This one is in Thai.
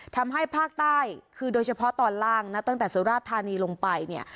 ทำให้ภาคใต้คือโดยเฉพาะตอนล่างนะตั้งแต่สุราชธานีลงไปเนี่ย